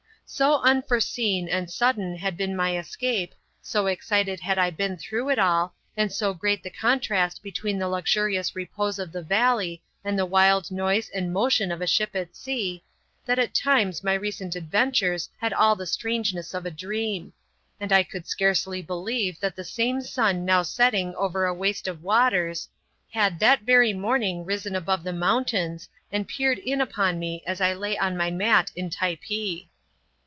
So unforeseen and sudden had been my escape, so excited had I been through it all, and so great the contrast between the luxurious repose of the valley, and the wild noise and motion of a ship at sea, that at times my recent adventures had all the strangeness of a dream : and I could scarcely believe that the same sun now setting over a waste of waters, had that very morning risen above the mountains and peered in upon me as I lay on my mat in Typee.